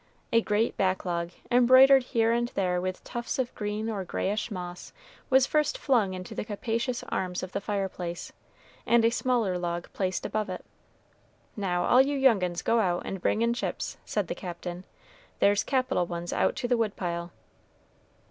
A great back log, embroidered here and there with tufts of green or grayish moss, was first flung into the capacious arms of the fireplace, and a smaller log placed above it. "Now, all you young uns go out and bring in chips," said the Captain. "There's capital ones out to the wood pile."